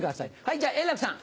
じゃあ円楽さん。